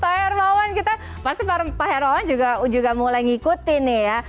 pak hermawan kita pasti pak hermawan juga mulai ngikutin nih ya